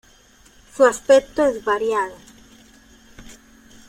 Su aspecto es variado.